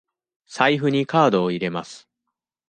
財布にカードを入れます。